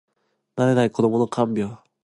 慣れない子どもの看病